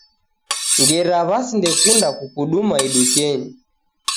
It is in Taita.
Ngera wasindekunda kukuduma idukenyi..